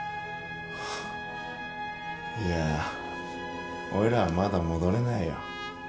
いやおいらはまだ戻れないよ